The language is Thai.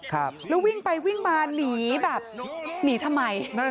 ครับแล้ววิ่งไปวิ่งมาหนีแบบหนีทำไม